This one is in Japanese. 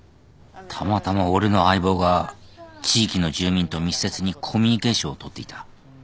たまたま俺の相棒が地域の住民と密接にコミュニケーションを取っていた。